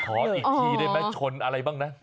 ขออีกทีได้ไหมชนอะไรบ้างนะ